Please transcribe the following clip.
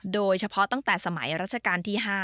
โดยเฉพาะตั้งแต่สมัยรัชกาลที่๕